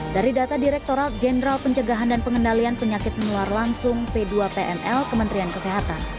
dari data direkturat jenderal pencegahan dan pengendalian penyakit menular langsung p dua pml kementerian kesehatan